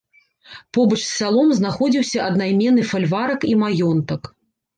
Побач з сялом знаходзіўся аднайменны фальварак і маёнтак.